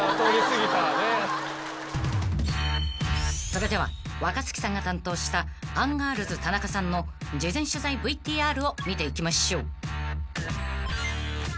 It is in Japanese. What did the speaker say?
［それでは若槻さんが担当したアンガールズ田中さんの事前取材ＶＴＲを見ていきましょう］